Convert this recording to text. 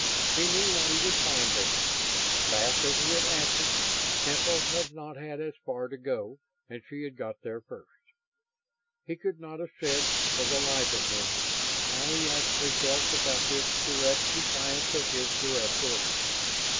He knew what he would find there. Fast as he had acted, Temple had not had as far to go and she had got there first. He could not have said, for the life of him, how he actually felt about this direct defiance of his direct orders.